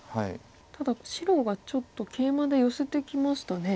ただ白がちょっとケイマで寄せてきましたね。